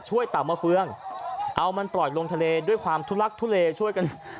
เต่ามาเฟืองเอามันปล่อยลงทะเลด้วยความทุลักทุเลช่วยกัน